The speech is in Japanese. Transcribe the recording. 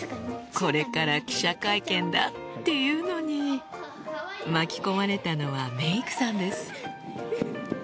これから記者会見だっていうのに巻き込まれたのはメイクさんです